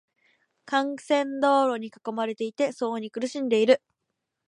幹線道路に囲まれていて、騒音に苦しんでいる。